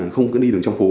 không có đi đường trong phố